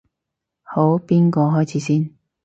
好，邊個開始先？